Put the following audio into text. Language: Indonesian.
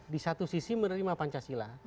di satu sisi menerima pancasila